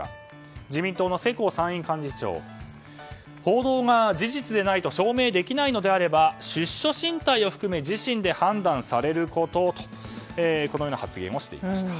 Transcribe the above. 自民党の世耕参院幹事長報道が事実でないと証明できないのであれば出処進退含めて自身で判断されることという発言をしていました。